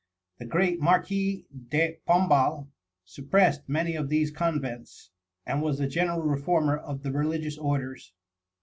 The great Marquis de Pombal suppressed many of these convents, and was the general reformer of the religious orders.